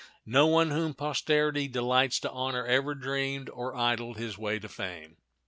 No one whom posterity delights to honor ever dreamed or idled his way to fame.